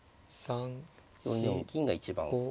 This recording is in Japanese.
４四金が一番。